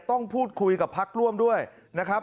ต้องพูดคุยกับพักร่วมด้วยนะครับ